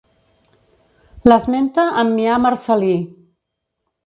L'esmenta Ammià Marcel·lí.